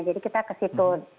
jadi kita ke situ